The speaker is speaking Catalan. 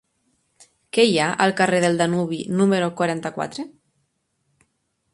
Què hi ha al carrer del Danubi número quaranta-quatre?